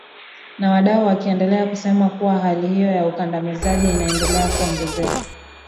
na wadau wakiendelea kusema kuwa hali hiyo ya ukandamizaji inaendelea kuongezeka